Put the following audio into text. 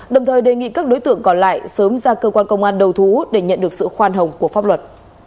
đồng thời đề nghị các đối tượng còn lại sớm ra cơ quan công an đầu thú để nhận được sự khoan hồng của pháp luật